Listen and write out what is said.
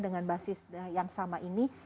dengan basis yang sama ini